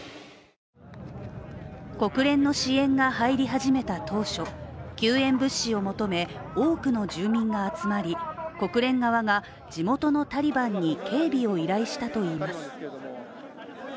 国連の支援が入り始めた当初、救援物資を求め多くの住民が集まり国連側が地元のタリバンに警備を依頼したといいます。